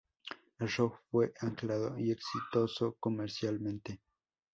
El show fue aclamado y exitoso comercialmente.